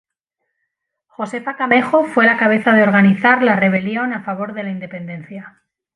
Josefa Camejo fue la cabeza de organizar la rebelión a favor de la Independencia.